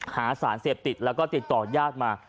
หาสารเสพติดแล้วก็ติดต่อญาติมา